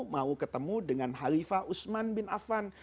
mau ketemu dengan khalifah usman bin affan